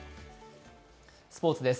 スポーツです。